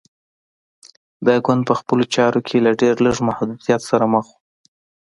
دا ګوند په خپلو چارو کې له ډېر لږ محدودیت سره مخ و.